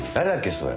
それ。